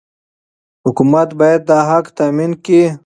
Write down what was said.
حکومت باید دا حق تامین کړي.